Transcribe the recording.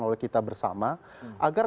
oleh kita bersama agar